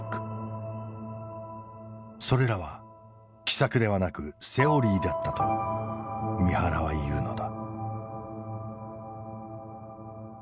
それらは奇策ではなくセオリーだったと三原は言うのだ。